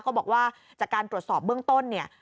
ก็บอกว่าจากการตรวจสอบเบื้องต้นเนี่ย